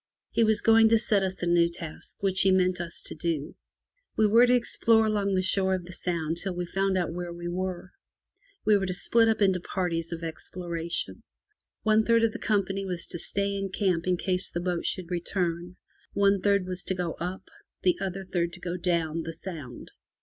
He was going to set us a new task, which he meant us to do. We were to explore along the shore of the Sound till we found out where we were. We were to split up into parties of explora tion. One third of the company was to stay in camp in case the boat should return, one third was to go up, the other third to go down, the Sound.